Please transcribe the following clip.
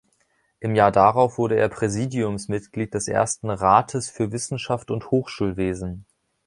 Im Jahr darauf wurde er Präsidiumsmitglied des ersten "Rates für Wissenschaft und Hochschulwesen".